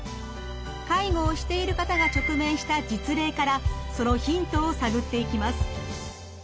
介護をしている方が直面した実例からそのヒントを探っていきます！